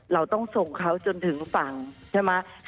เราต้องส่งเขาจนถึงฝั่งใช่ไหม